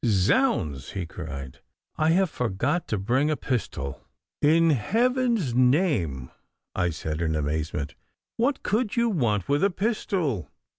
'Zounds!' he cried, 'I have forgot to bring a pistol.' 'In Heaven's name!' I said in amazement, 'what could you want with a pistol?